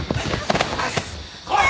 来い！